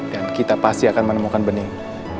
dan kita pasti akan menemukan bening